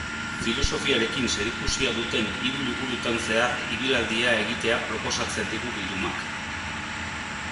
Filosofiarekin zerikusia duten hiru liburutan zehar ibilaldia egitea proposatzen digu bildumak.